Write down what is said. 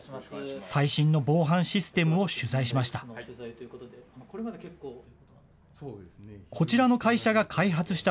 最新の防犯システムを取材しました。